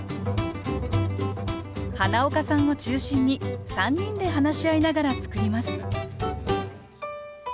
花岡さんを中心に３人で話し合いながら作ります